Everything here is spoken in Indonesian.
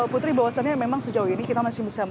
putri bahwasannya memang sejauh ini kita masih bisa